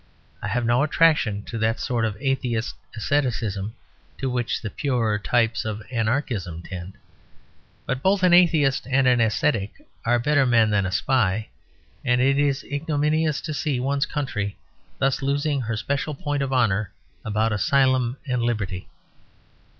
I have no attraction to that sort of atheist asceticism to which the purer types of Anarchism tend; but both an atheist and an ascetic are better men than a spy; and it is ignominious to see one's country thus losing her special point of honour about asylum and liberty.